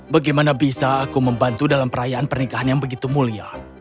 bagaimana bisa aku membantu dalam perayaan pernikahan yang begitu mulia